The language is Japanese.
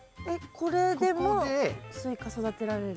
これでもスイカ育てられる？